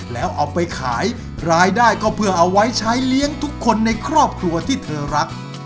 แล้วเอาไปขายรายได้ก็เพื่อเอาไว้ใช้เลี้ยงทุกคนในครอบครัวที่เธอรัก